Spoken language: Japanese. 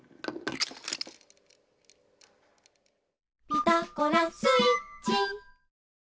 「ピタゴラスイッチ」